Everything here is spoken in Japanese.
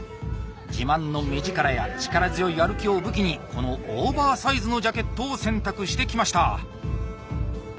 自慢の目力や力強い歩きを武器にこのオーバーサイズのジャケットを選択してきました。